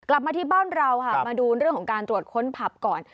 กลับมาที่บ้านเราค่ะมาดูเรื่องของการตรวจค้นผับก่อน